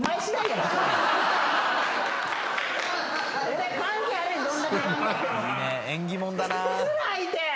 つらいて。